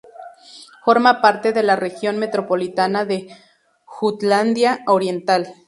Forma parte de la región metropolitana de Jutlandia oriental.